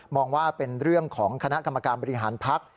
องว่าเป็นเรื่องของคณะกรรมการบริหารพัก